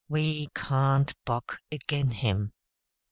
We can't buck agin him.